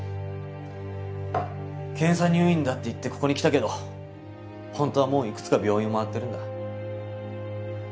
検査入院だって言ってここに来たけど本当はもういくつか病院を回ってるんだ。